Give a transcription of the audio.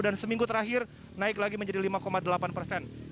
dan seminggu terakhir naik lagi menjadi lima delapan persen